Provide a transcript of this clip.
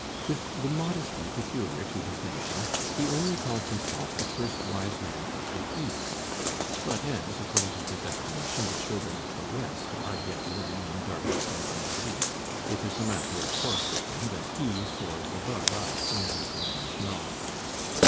With the modesty peculiar to his nation, he only calls himself the first wise man of the East; but as according to his estimation the children of the West are yet living in darkness and unbelief, it is a matter of course with him that he soars above us in wisdom and knowledge.